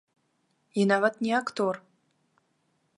І нават не актор.